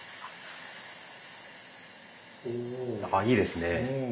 いいですね。